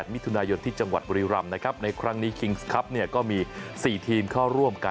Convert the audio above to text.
มิถูนายนที่บริลำนะครับในครั้งนี้ข้อมูลก็มีสี่ทีมเข้าร่วมการ